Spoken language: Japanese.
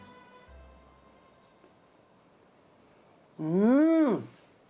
うん！